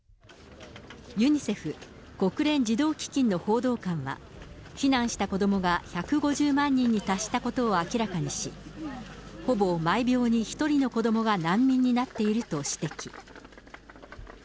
ユニセフ・国連児童基金の報道官は、避難した子どもが１５０万人に達したことを明らかにし、ほぼ毎秒に１人の子どもが難民になっていると指摘。